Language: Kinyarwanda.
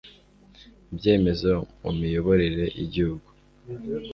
ibyemezo mu miyoborere y'igihugu